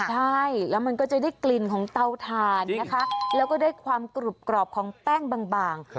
ใช่แล้วมันก็จะได้กลิ่นของเตาถ่านนะคะแล้วก็ได้ความกรุบกรอบของแป้งบาง